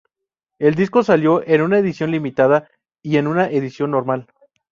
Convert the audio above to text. El disco salió en una edición limitada y en una edición normal.